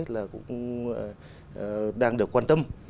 là cũng đang được quan tâm